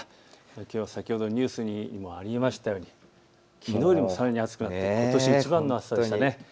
きょうは先ほどニュースにもありましたように、きのうよりもさらに暑くなってことしいちばんの暑さでしたね。